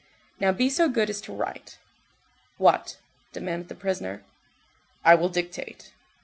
Now, be so good as to write." "What?" demanded the prisoner. "I will dictate."